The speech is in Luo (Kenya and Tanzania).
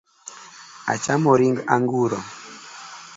Achamo ring' anguro